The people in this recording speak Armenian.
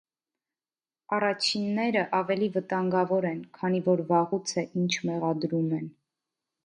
Առաջինները ավելի վտանգավոր են, քանի որ վաղուց է, ինչ մեղադրում են։